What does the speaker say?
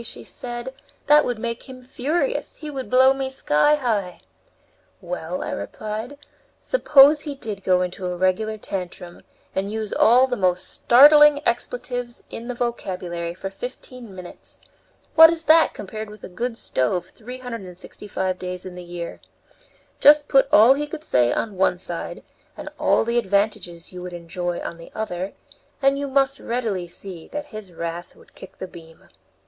she said, "that would make him furious; he would blow me sky high." "Well," I replied, "suppose he did go into a regular tantrum and use all the most startling expletives in the vocabulary for fifteen minutes! What is that compared with a good stove 365 days in the year? Just put all he could say on one side, and all the advantages you would enjoy on the other, and you must readily see that his wrath would kick the beam."